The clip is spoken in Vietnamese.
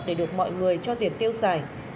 để được mọi người cho tiền tiêu xài